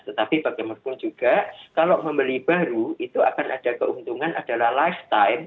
tetapi bagaimanapun juga kalau membeli baru itu akan ada keuntungan adalah lifestyle